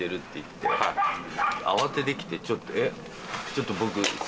ちょっと僕。